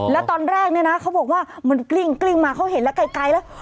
แล้วตอนแรกเนี่ยนะเขาบอกว่ามันกลิ้งมาเขาเห็นแล้วไกลแล้ว